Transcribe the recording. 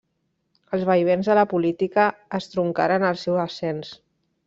Els vaivens de la política estroncaren el seu ascens.